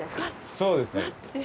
そうですね。